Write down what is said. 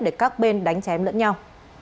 để các bên đánh chém lẫn nhau